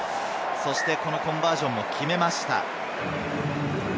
コンバージョンも決めました。